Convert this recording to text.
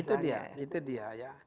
itu dia itu dia ya